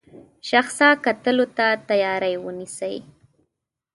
شخصا کتلو ته تیاری ونیسي.